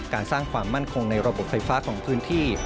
สร้างความมั่นคงในระบบไฟฟ้าของพื้นที่